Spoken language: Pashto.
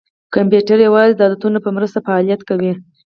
کمپیوټر یوازې د عددونو په مرسته فعالیت کوي.